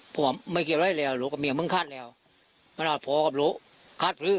ผมบอกว่าไม่เกียรติอะไรแล้วโหลกับเมียมึงคาดแล้วมันอาจพอกับโหลคาดฟื้อ